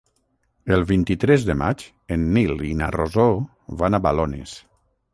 El vint-i-tres de maig en Nil i na Rosó van a Balones.